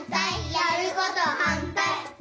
やることはんたい！